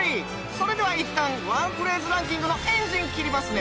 それでは一旦ワンフレーズランキングのエンジン切りますね。